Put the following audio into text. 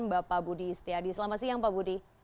mbak pabudi istiadi selamat siang pak budi